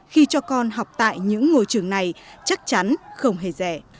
khi cho con học tại những ngôi trường này chắc chắn không hề rẻ